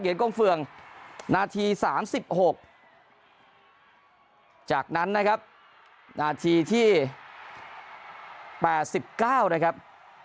เหยียนกรงเฟืองนาทีสามสิบหกจากนั้นนะครับหนาทีที่แปดสิบเก้านะครับ